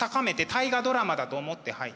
「大河ドラマ」だと思ってはい。